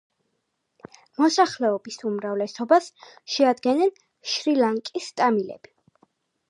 მოსახლეობის უმრავლესობას შეადგენენ შრი-ლანკის ტამილები.